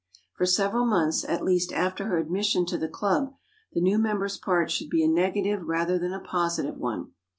For several months, at least, after her admission to the club, the new member's part should be a negative rather than a positive one.